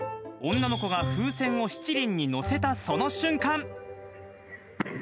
女の子が風船を七輪に載せたその瞬間。